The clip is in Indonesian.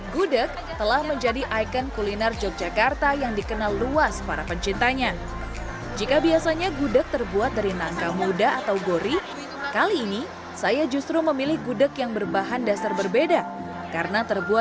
gudeg asli yogyakarta